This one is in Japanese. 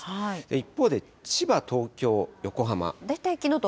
一方で、千葉、東京、横浜。